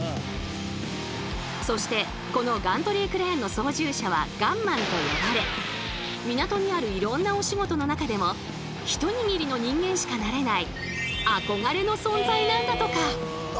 そしてこのガントリークレーンの操縦者は「ガンマン」と呼ばれ港にあるいろんなお仕事の中でも一握りの人間しかなれない憧れの存在なんだとか。